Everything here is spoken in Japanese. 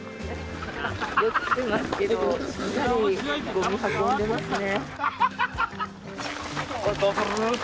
酔ってますけどしっかりゴミを運んでますね。